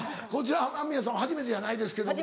雨宮さんも初めてじゃないですけれども。